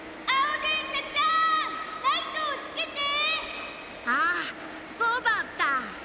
ああそうだった！